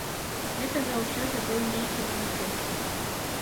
Гэта заўсёды быў нейкі маніфест.